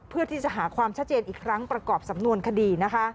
เพื่อที่จะหาความชัดเจนอีกครั้งประกอบสำนวนคดี